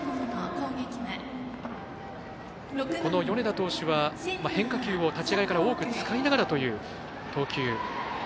この米田投手は変化球を立ち上がりから多く使いながらという投球。